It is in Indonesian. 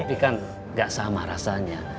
bukan enggak sama rasanya